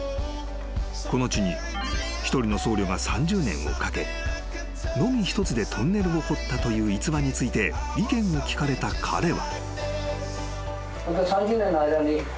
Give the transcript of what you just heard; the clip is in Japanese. ［この地に一人の僧侶が３０年をかけのみ一つでトンネルを掘ったという逸話について意見を聞かれた彼は］